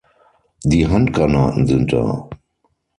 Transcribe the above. Die Handgranaten sind da.